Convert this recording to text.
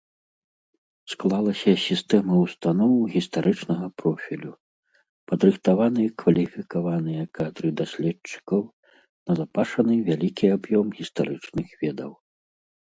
Склалася сістэма ўстаноў гістарычнага профілю, падрыхтаваны кваліфікаваныя кадры даследчыкаў, назапашаны вялікі аб'ём гістарычных ведаў.